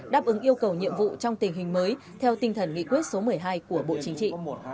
đáp ứng yêu cầu nhiệm vụ trong tình hình mới theo tinh thần nghị quyết số một mươi hai của bộ chính trị